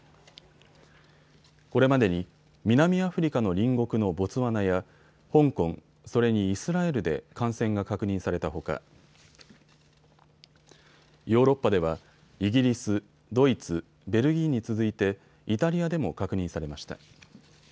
これまでに南アフリカの隣国のボツワナや香港、それにイスラエルで感染が確認されたほかヨーロッパではイギリス、ドイツ、ベルギーに続いてイタリアでも確認されました。